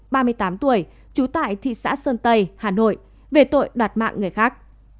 ba mươi tám tuổi trú tại thị xã sơn tây hà nội về tội đoạt mạng người khác